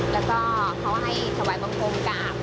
แล้วก็เขาให้ถวายบังคมกราบ